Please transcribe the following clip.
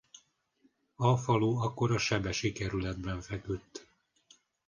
A falu akkor a sebesi kerületben feküdt.